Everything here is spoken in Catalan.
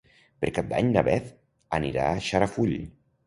Per Cap d'Any na Beth anirà a Xarafull.